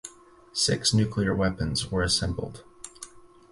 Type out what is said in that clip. Six nuclear weapons were assembled.